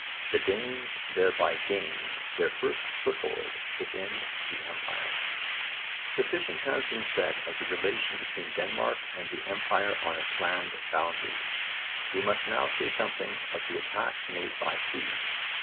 The Danes thereby gained their first foothold within the empire. Sufficient has been said of the relation between Denmark and the empire on its land boundary: we must now say something of the attacks made by sea.